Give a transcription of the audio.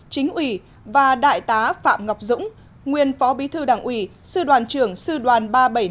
chính ủy và đại tá phạm ngọc dũng nguyên phó bí thư đảng ủy sư đoàn trưởng sư đoàn ba trăm bảy mươi năm